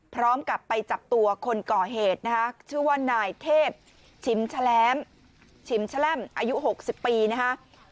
พร้อมกับไปจับตัวคนก่อเหตุนะคะชื่อว่านายเทพชิมแลมชิมแชล่มอายุ๖๐ปีนะคะ